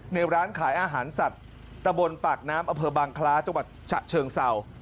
ในร้านขายอาหารสัตว์ตะบนปากน้ำอเภอบางคล้าจังหวัดฉะเชิงเศร้า